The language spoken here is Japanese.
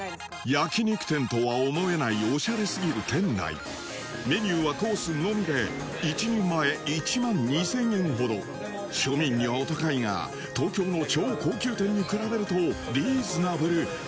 焼肉店とは思えないオシャレ過ぎる店内メニューはコースのみで１人前１万２千円ほど庶民にはお高いが東京の超高級店に比べるとリーズナブル。